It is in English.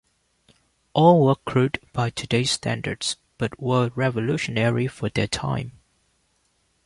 All were crude by today's standards, but were revolutionary for their time.